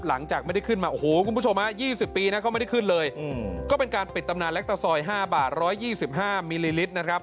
หลังจากไม่ได้ขึ้นมาโอ้โหคุณผู้ชม๒๐ปีนะเขาไม่ได้ขึ้นเลยก็เป็นการปิดตำนานแล็กตะซอย๕บาท๑๒๕มิลลิลิตรนะครับ